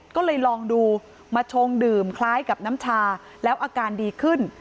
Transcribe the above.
ก็เลยลองดูมาชงดื่มคล้ายกับน้ำชาแล้วอาการดีขึ้น